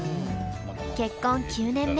結婚９年目。